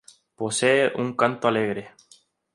Posee un canto alegre.